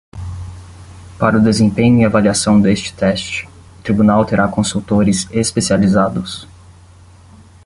Para o desempenho e avaliação deste teste, o Tribunal terá consultores especializados.